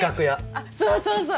あそうそうそう！